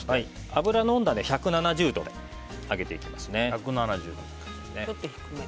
油の温度は１７０度で揚げていきます。